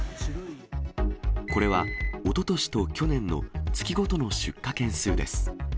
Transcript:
これはおととしと去年の月ごとの出火件数です。